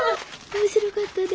面白かったで。